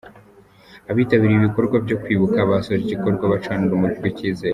Abitabiriye ibikorwa byo kwibuka basoje igikorwa bacana urumuri rw’icyizere.